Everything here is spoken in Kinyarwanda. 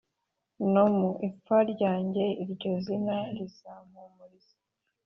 nomu ipfa ryanjye iryozina rizampumuriza